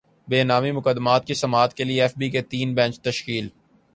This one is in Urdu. بے نامی مقدمات کی سماعت کیلئے ایف بی کے تین بینچ تشکیل